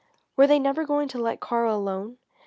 Were they never going to let Karl alone?